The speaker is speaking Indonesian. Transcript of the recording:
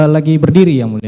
lagi berdiri yang mulia